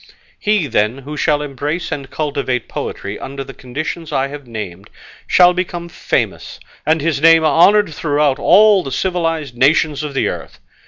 He, then, who shall embrace and cultivate poetry under the conditions I have named, shall become famous, and his name honoured throughout all the civilised nations of the earth.